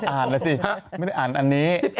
อ่านแล้วสิไม่ได้อ่านอันนี้